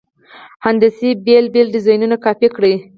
هندسي بېل بېل ډیزاینونه کاپي کړئ.